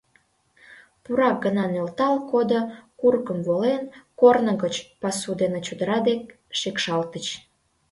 Пурак гына нӧлталт кодо, курыкым волен, корно гоч, пасу дене чодыра дек шикшалтыч.